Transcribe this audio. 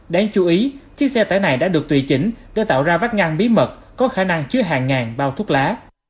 đáng chú ý chiếc xe tải này đã được tùy chỉnh để tạo ra vách ngăn bí mật có khả năng chứa hàng ngàn bao thuốc lá